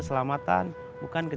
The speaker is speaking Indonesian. siapa yang marah